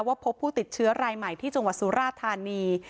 พบผู้ติดเชื้อรายใหม่ที่จังหวัดสุราธานี